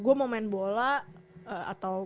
gue mau main bola atau